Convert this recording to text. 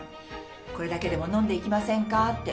これだけでも飲んでいきませんかって。